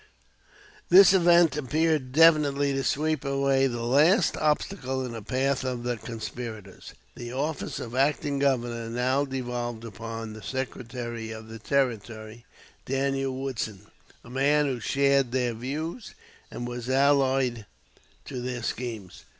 This event appeared definitely to sweep away the last obstacle in the path of the conspirators. The office of acting governor now devolved upon the secretary of the Territory, Daniel Woodson, a man who shared their views and was allied to their schemes.